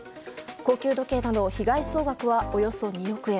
高級時計など、被害総額はおよそ２億円。